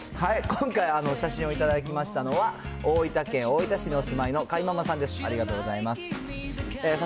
今回、写真を頂きましたのは、大分県大分市にお住まいのかいママさんです。